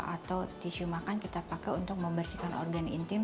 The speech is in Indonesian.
atau tisu makan kita pakai untuk membersihkan organ intim